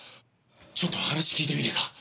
ちょっと話聞いてみねえか？